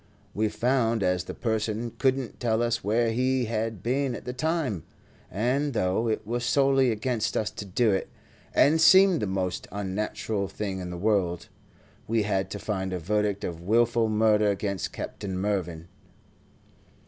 We found as the person couldn't tell us where he had been at the time; and though it were sorely against us to do it, and seemed the most unnatural thing in the world, we had to find a verdict of wilful murder against Captain Mervyn."